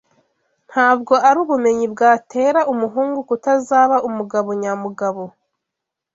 ntabwo ari ubumenyi bwatera umuhungu kutazaba umugabo nyamugabo